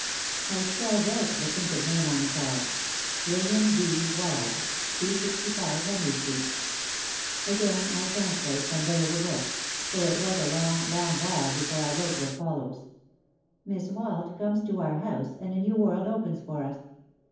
I spelled out the printed name on the card, Lillian D. Wald, 265 Henry Street. Again I translate from the little book, though it was a long, long while before I wrote what follows: "Miss Wald comes to our house, and a new world opens for us.